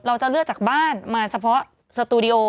เราจะเลือกจากบ้านมาเฉพาะสตูดิโอ